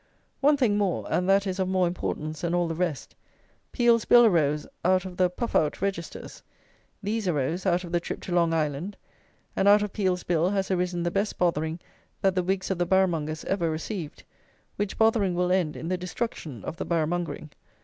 One thing more, and that is of more importance than all the rest, Peel's Bill arose out of the "puff out" Registers; these arose out of the trip to Long Island; and out of Peel's Bill has arisen the best bothering that the wigs of the Boroughmongers ever received, which bothering will end in the destruction of the Boroughmongering.